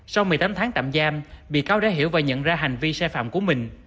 sau một mươi tám tháng tạm giam bị cáo đã hiểu và nhận ra hành vi sai phạm của mình